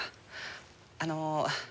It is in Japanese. あの。